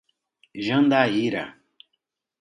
Jandaíra